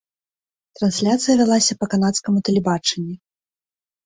Трансляцыя вялася па канадскаму тэлебачанні.